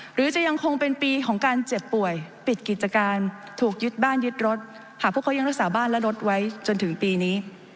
หรือจะยังคงเป็นปีของการเจ็บป่วยปิดกิจการถูกยึดบ้านยึดรถหากพวกเขายังรักษาบ้านและรถไว้จนถึงปีนี้